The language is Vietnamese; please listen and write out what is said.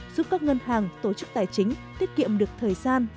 giúp các ngân hàng tổ chức tài chính tiết kiệm được thời gian